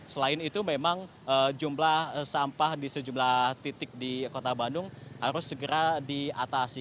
selain itu memang jumlah sampah di sejumlah titik di kota bandung harus segera diatasi